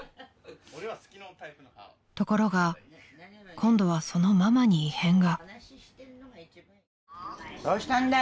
［ところが今度はそのママに異変が］